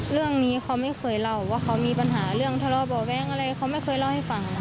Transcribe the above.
เรื่องนี้เขาไม่เคยเล่าว่าเขามีปัญหาเรื่องทะเลาะบ่อแว้งอะไรเขาไม่เคยเล่าให้ฟัง